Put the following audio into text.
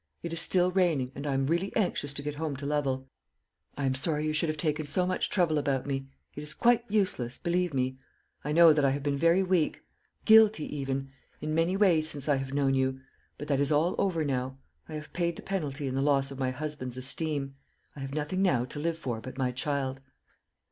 "It is still raining, and I am really anxious to get home to Lovel. I am sorry you should have taken so much trouble about me; it is quite useless, believe me. I know that I have been very weak guilty even in many ways since I have known you; but that is all over now. I have paid the penalty in the loss of my husband's esteem. I have nothing now to live for but my child."